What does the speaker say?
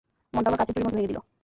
মনটা আমার কাচের চুড়ির মত ভেঙ্গে দিল।